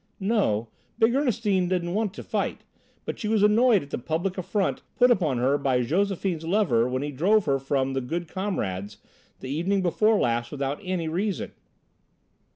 "No, big Ernestine didn't want to fight, but she was annoyed at the public affront put upon her by Josephine's lover when he drove her from 'The Good Comrades' the evening before last without any reason."